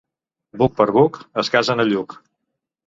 Buc per buc, es casen a Lluc.